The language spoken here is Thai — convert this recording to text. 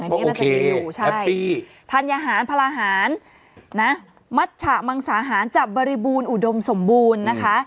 อันนี้มันจะมีอยู่ใช่ทันยาหารพลาหารมัตรฉะมังสาหารจับบริบูรณ์อุดมสมบูรณ์นะคะ